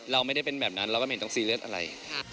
เราไม่ได้เป็นแบบนั้นเราก็ไม่เห็นต้องซีเรียสอะไร